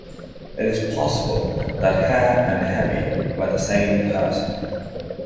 It is possible that Hare and Hemi were the same person.